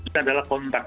ini adalah kontak